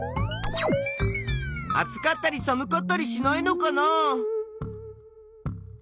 あつかったりさむかったりしないのかな？